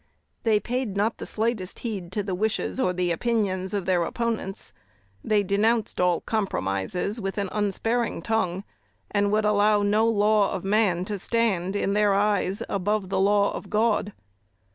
They paid not the slightest heed to the wishes or the opinions of their opponents. They denounced all compromises with an unsparing tongue, and would allow no law of man to stand, in their eyes, above the law of God.